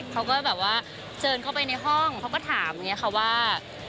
เขาก็เจินเข้าไปในห้องเขาก็ถามว่า